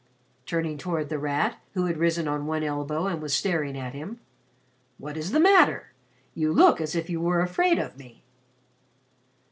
turning toward The Rat, who had risen on one elbow and was staring at him. "What is the matter? You look as if you were afraid of me."